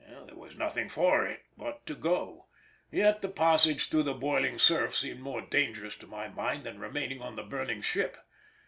There was nothing for it but to go, yet the passage through the boiling surf seemed more dangerous to my mind than remaining on the burning ship.